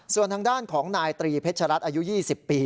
ส่วนทางด้านของนายตรีเพชรัตน์อายุ๒๐ปี